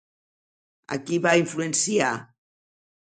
A qui va influenciar?